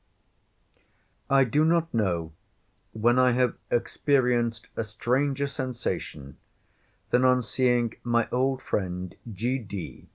I do not know when I have experienced a stranger sensation, than on seeing my old friend G.